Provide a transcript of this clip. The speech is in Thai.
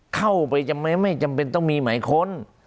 เข้าไปไม่จำเป็นต้องมีหมายค้น